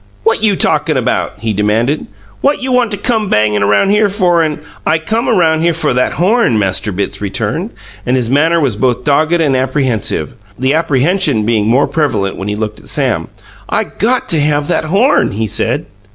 "What you talkin' about?" he demanded. "What you want to come bangin' around here for and " "I came around here for that horn," Master Bitts returned, and his manner was both dogged and apprehensive, the apprehension being more prevalent when he looked at Sam. "I got to have that horn," he said.